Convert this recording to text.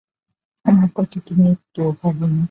আমার কথা তুমি একটুও ভাব না।